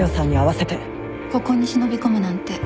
ここに忍び込むなんて